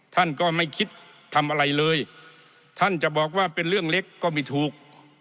ท่านก็ไม่คิดทำอะไรเลยท่านจะบอกว่าเป็นเรื่องเล็กก็ไม่ถูก